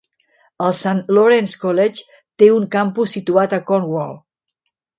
El St. Lawrence College té un campus situat a Cornwall.